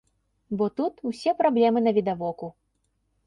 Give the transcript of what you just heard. Бо тут усе праблемы навідавоку.